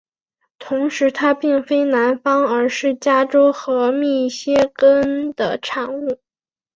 同时它并非南方而是加州和密歇根的产物。